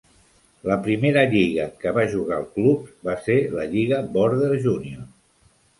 La primera lliga en què va jugar el club va ser la Lliga Border Junior.